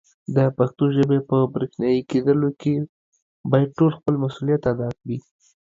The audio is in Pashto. د پښتو ژبې په برښنایې کېدلو کې باید ټول خپل مسولیت ادا کړي.